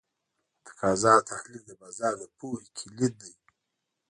د تقاضا تحلیل د بازار د پوهې کلید دی.